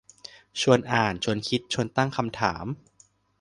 ชวนอ่าน ชวนคิด ชวนตั้งคำถาม